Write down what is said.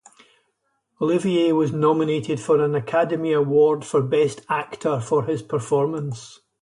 Olivier was nominated for an Academy Award for Best Actor for his performance.